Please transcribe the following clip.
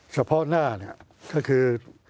เฉพาะหน้าก็คือ